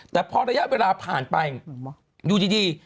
แต่พอระยะเวลาผ่านไปดูดี